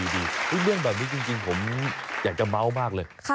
เรื่องแบบนี้จริงผมอยากจะเมาส์มากเลย